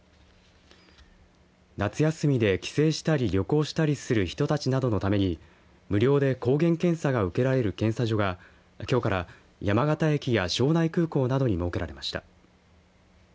夏休みで帰省したり旅行したりする人たちなどのために無料で抗原検査が受けられる検査所が、きょうから山形駅や庄内空港などに設けられました。